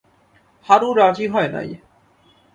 হারু রাজি হয় নাই।